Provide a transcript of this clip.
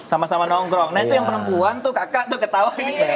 sama sama nongkrong nah itu yang perempuan tuh kakak tuh ketawa